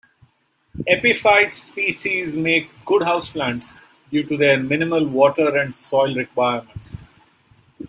Epiphyte species make good houseplants due to their minimal water and soil requirements.